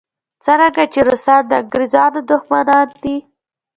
څرنګه چې روسان د انګریزانو دښمنان دي.